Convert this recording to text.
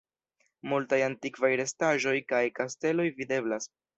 Multaj antikvaj restaĵoj kaj kasteloj videblas.